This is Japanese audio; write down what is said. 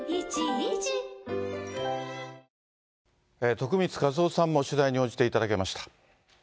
徳光和夫さんも取材に応じていただけました。